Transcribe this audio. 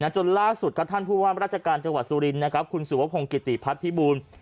จนล่าสุดครับท่านผู้ว่ามราชการจังหวัดสุรินคุณสุวพงศ์กิติพัฒนภิบูล